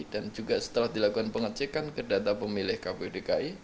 dan juga setelah dilakukan pengecekan ke data pemilih kpu dki